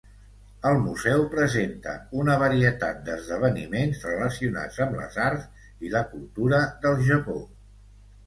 El museu presenta una varietat d'esdeveniments relacionats amb les arts i la cultura del Japó.